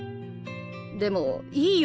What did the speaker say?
でもいいよ